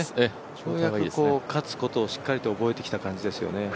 ようやく勝つことをしっかりと覚えてきた感じですよね。